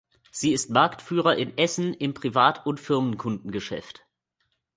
Sie ist Marktführer in Essen im Privat- und Firmenkundengeschäft.